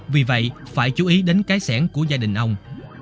vì vậy phải chú ý đến cái sản của gia đình ông